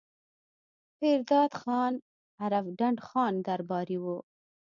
پير داد خان عرف ډنډ خان درباري وو